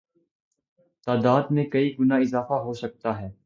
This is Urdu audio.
تعداد میں کئی گنا اضافہ ہوسکتا ہے